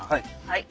はい。